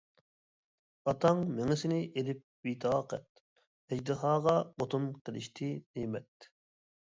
ئاتاڭ مېڭىسىنى ئېلىپ بىتاقەت، ئەجدىھاغا ئوتۇن قىلىشتى نېمەت.